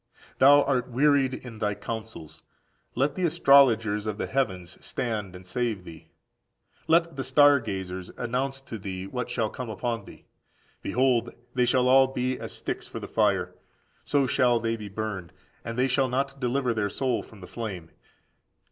Thou art wearied in thy counsels. Let the astrologers of the heavens stand and save thee; let the star gazers announce to thee what shall come upon thee. Behold, they shall all be as sticks for the fire; so shall they be burned, and they shall not deliver their soul from the flame.